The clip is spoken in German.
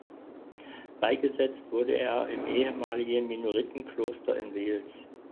Beigesetzt wurde er im ehemaligen Minoritenkloster in Wels.